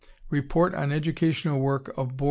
Report on Educational Work of Bd.